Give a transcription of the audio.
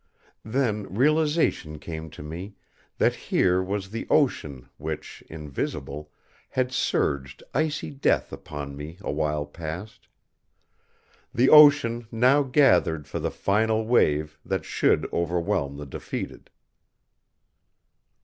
Then realization came to me that here was the ocean which, invisible, had surged icy death upon me a while past. The ocean now gathered for the final wave that should overwhelm the defeated.